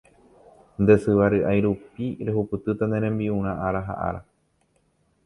Nde syva ry'ái rupi ruhupytýta ne rembi'urã ára ha ára.